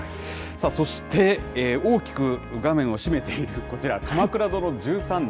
そして大きく画面を占めているこちら、鎌倉殿の１３人。